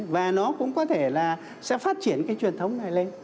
và nó cũng có thể là sẽ phát triển cái truyền thống này lên